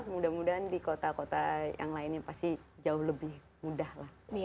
mudah mudahan di kota kota yang lainnya pasti jauh lebih mudah lah